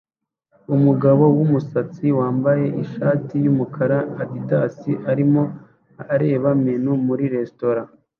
Umugabo wumusatsi wambaye ishati yumukara Adidas arimo kureba menu muri resitora